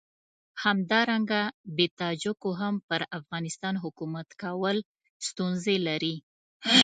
همدارنګه بې تاجکو هم پر افغانستان حکومت کول ستونزې لري.